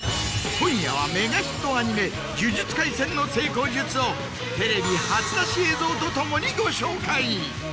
今夜はメガヒットアニメ『呪術廻戦』の成功術をテレビ初出し映像とともにご紹介。